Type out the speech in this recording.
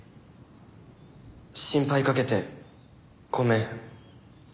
心配かけてごめん。